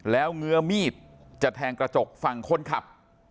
แล้วเงื้อมีดจะแทงกระจกฝั่งคนขับ